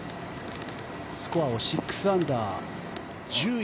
スコアを６アンダー１０位